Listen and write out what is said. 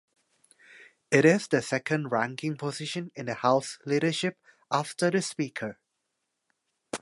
It is the second ranking position in the House Leadership after the Speaker.